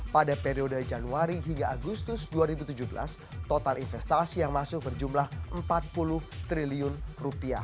pada periode januari hingga agustus dua ribu tujuh belas total investasi yang masuk berjumlah rp empat puluh triliun